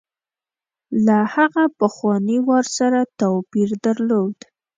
له هغه پخواني وار سره توپیر درلود.